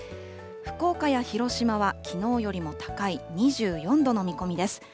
福岡や広島は、きのうよりも高い２４度の見込みです。